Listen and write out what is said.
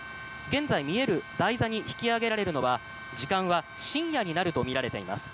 現在、見える台座に引き揚げられる時間は深夜になるとみられています。